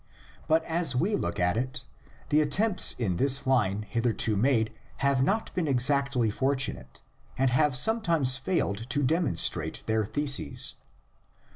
But — as we look at it — the attempts in this line hitherto made have not been exactly fortunate and have sometimes failed to demonstrate their theses.